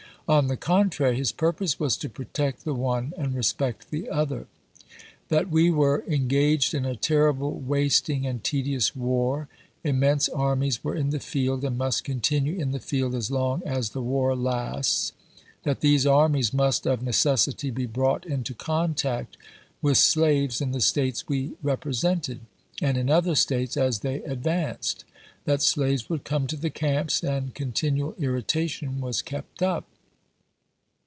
On the contrary, his purpose was to protect the one and respect the other. That we were engaged in a terrible, wasting, and tedious war ; immense armies were in the field, and must continue in the field as long as the war lasts ; that these armies must, of neces sity, be brought into contact with slaves in the States we represented, and in other States as they advanced ; that slaves would come to the camps, and continual irritation was kept up.